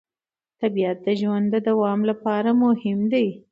طبیعت د ژوند د دوام لپاره مهم دی